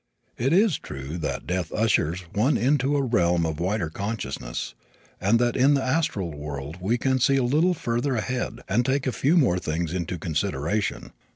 It is true that death ushers one into a realm of wider consciousness and that in the astral world one can see a little further ahead and take a few more things into consideration.